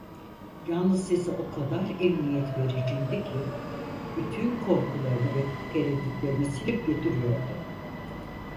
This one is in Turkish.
Yalnız sesi o kadar emniyet verici idi ki, bütün korkularını ve tereddütlerini silip götürüyordu.